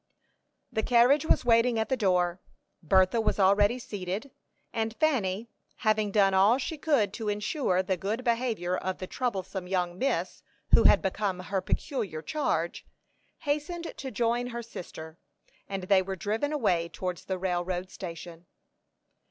The carriage was waiting at the door; Bertha was already seated, and Fanny, having done all she could to insure the good behavior of the troublesome young miss who had become her peculiar charge, hastened to join her sister, and they were driven away towards the railroad station.